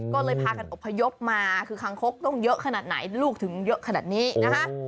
ก็เลยพากันอบพยพมาคือคางคกต้องเยอะขนาดไหนลูกถึงเยอะขนาดนี้นะคะ